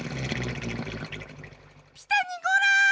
ピタにゴラ！